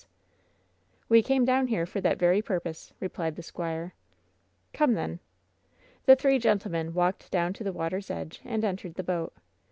1 100 WHEN SHADOWS DIE "We came down here for that very purpose," replied the squire. "Come, then." The three gentlemen walked down to the water's edge and entered the boat.